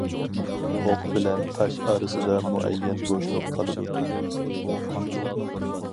ئوق بىلەن تاش ئارىسىدا مۇئەييەن بوشلۇق قالىدۇ.